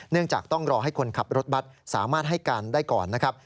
จากต้องรอให้คนขับรถบัตรสามารถให้การได้ก่อนนะครับ